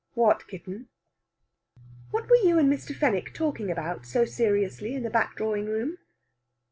"What, kitten?" "What were you and Mr. Fenwick talking about so seriously in the back drawing room?"